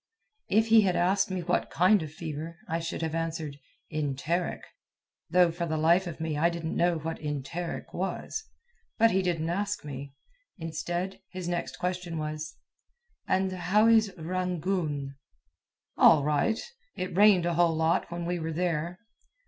If he had asked me what kind of fever, I should have answered, "Enteric," though for the life of me I didn't know what enteric was. But he didn't ask me. Instead, his next question was: "And how is Rangoon?" "All right. It rained a whole lot when we were there."